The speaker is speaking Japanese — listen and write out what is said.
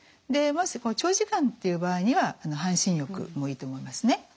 長時間っていう場合には半身浴もいいと思いますね。